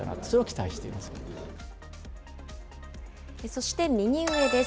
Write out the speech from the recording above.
そして右上です。